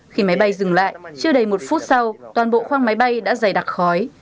khi máy bay dừng lại chưa đầy một phút sau toàn bộ khoang máy bay đã dày đặc khói